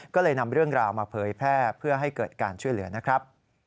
ก็เลยนำเรื่องราวมาเผยแพร่เพื่อให้เกิดการช่วยเหลือนะครับ